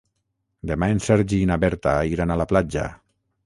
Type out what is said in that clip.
Demà en Sergi i na Berta iran a la platja.